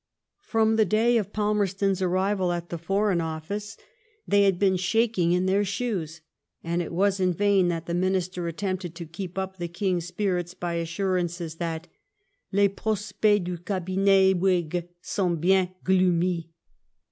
From the day of Palmerston's arrival at the Foreign Office they 102 LIFE OF VI8G0UNT PALMEE8T0N. had been shaking in their shoes, and it was in rain that the Minister attempted to keep up the King's spirits by assurances that *' les prospects du cabinet Whig sont bien gloomy.